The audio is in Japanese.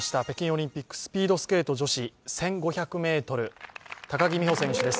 北京オリンピックスピードスケート女子１５００ｍ、高木美帆選手